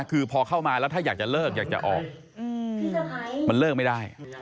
คือพอเข้ามาแล้วถ้าอยากจะเลิกอยากจะออกมันเลิกไม่ได้